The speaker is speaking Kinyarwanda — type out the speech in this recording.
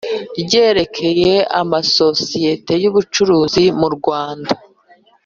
ryerekeye amasosiyete y ubucuruzi mu Rwanda